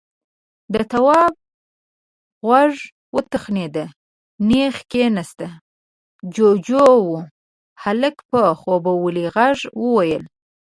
د تواب غوږ وتخنېد، نېغ کېناست. جُوجُو و. هلک په خوبولي غږ وويل: